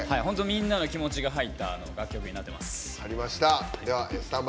みんなの気持ちが入った楽曲になってます。